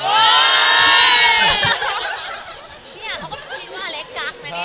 เนี่ยเขาก็คิดว่าอะไรกั๊ก